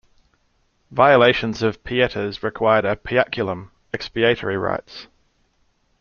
Violations of "pietas" required a "piaculum", expiatory rites.